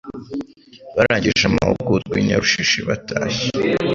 barangije amahugurwa i Nyarushishi batashye